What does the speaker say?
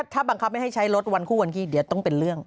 ถ้าบังคับไม่ให้ใช้รถวันคู่วันขี้เดี๋ยวต้องเป็นเรื่อง